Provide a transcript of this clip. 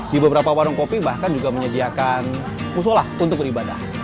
di beberapa warung kopi bahkan juga menyediakan musola untuk beribadah